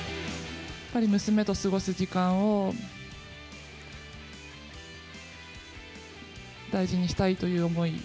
やっぱり娘と過ごす時間を、大事にしたいという思い。